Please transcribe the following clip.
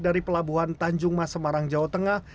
dari pelabuhan tanjung mas semarang jawa tengah